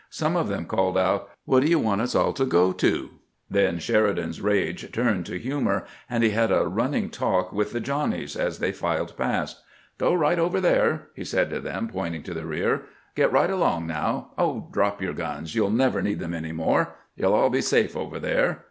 Some of them called out :" Wha' do you want us all to go to ?" Then Sheridan's rage turned to humor, and he had a running talk with the " Johnnies " as they filed past. " Gro right over there," he said to 440 CAMPAIGNING WITH GEANT them, pointing to the rear. " Get right along, now. Oh, drop your guns ; you '11 never need them any more. You '11 aU be safe over there.